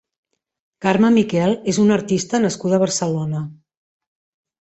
Carme Miquel és una artista nascuda a Barcelona.